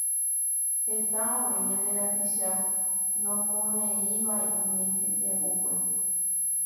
Heta oĩ ñande rapicha nomoneívai umi hembiapokue.